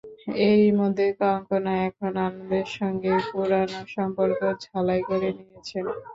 এরই মধ্যে কঙ্গনা এখন আনন্দের সঙ্গে পুরোনো সম্পর্ক ঝালাই করে নিয়েছেন।